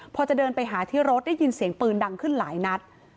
พอจะเดินไปหาที่รถได้ยินเสียงปืนดังขึ้นหลายนัด